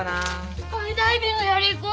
スカイダイビングやり行こう。